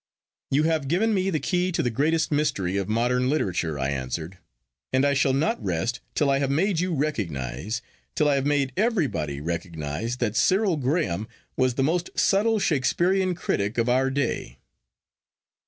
'You have given me the key to the greatest mystery of modern literature,' I answered; 'and I shall not rest till I have made you recognise, till I have made everybody recognise, that Cyril Graham was the most subtle Shakespearean critic of our day.